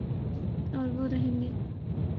اوروہ رہیں گے